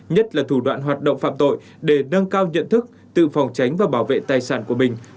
nhất là thủ đoạn hoạt động phạm tội để nâng cao nhận thức tự phòng tránh và bảo vệ tài sản của mình